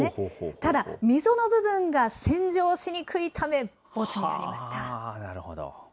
ただ、溝の部分が洗浄しにくいためボツになりました。